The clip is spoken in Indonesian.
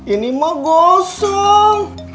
ini mah gosong